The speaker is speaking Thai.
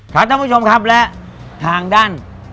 ท่านผู้ชมครับและทางด้าน